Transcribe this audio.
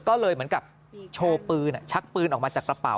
ก็เลยเหมือนกับโชว์ปืนชักปืนออกมาจากกระเป๋า